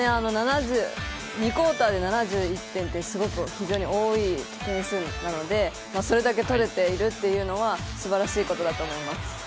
２クオーターで７１点って非常に多い点数なので、それだけ取れているっていうのはすばらしいことだと思います。